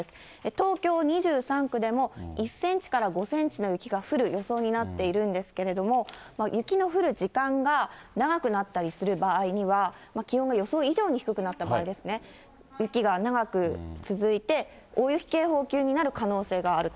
東京２３区でも、１センチから５センチの雪が降る予想になっているんですけれども、雪の降る時間が長くなったりする場合には、気温が予想以上に低くなった場合、雪が長く続いて、大雪警報級になる可能性があると。